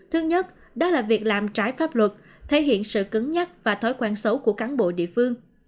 thứ nhất đó là việc làm trái pháp luật thể hiện sự cứng nhắc và thói quen xấu của cán bộ địa phương